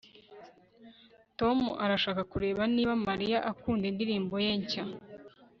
Tom arashaka kureba niba Mariya akunda indirimbo ye nshya